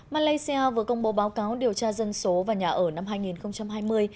malaysia vừa công bố báo cáo điều tra dân số và nhà ở năm hai nghìn hai mươi